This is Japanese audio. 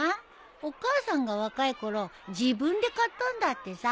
お母さんが若いころ自分で買ったんだってさ。